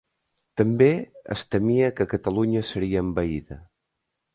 També es temia que Catalunya seria envaïda